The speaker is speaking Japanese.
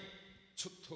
ちょっと。